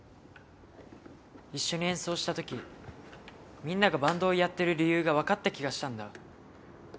一緒に演奏した時みんながバンドをやってる理由が分かった気がしたんだ。